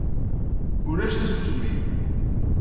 Ulac tasusmi.